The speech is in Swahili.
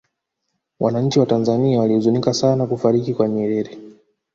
wananchi wa tanzania walihuzunika sana kufariki kwa nyerere